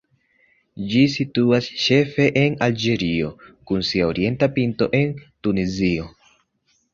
Ĝi situas ĉefe en Alĝerio, kun sia orienta pinto en Tunizio.